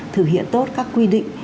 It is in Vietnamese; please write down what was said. thực hiện tốt các quy định